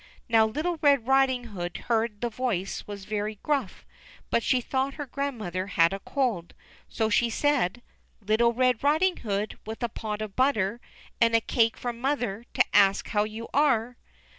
Now little Red Riding Hood heard the voice was very gruff, but she thought her grandmother had a cold ; so she said : "Little Red Riding Hood with a pot of butter and a cake from mother to ask how you are."